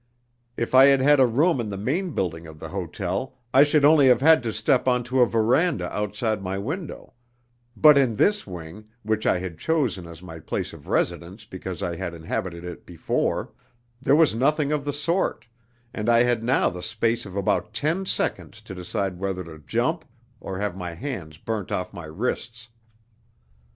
If I had had a room in the main building of the hotel, I should only have had to step on to a verandah outside my window, but in this wing (which I had chosen as my place of residence because I had inhabited it before) there was nothing of the sort, and I had now the space of about ten seconds to decide whether to jump or have my hands burnt off my wrists.